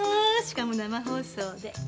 しかも生放送で。